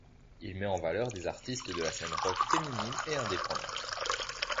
Il met en valeur des artistes de la scène rock féminine et indépendante.